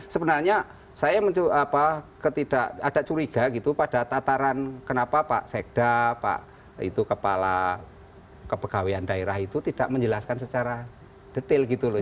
sebenarnya saya agak curiga gitu pada tataran kenapa pak sekda pak itu kepala kepegawaian daerah itu tidak menjelaskan secara detail gitu loh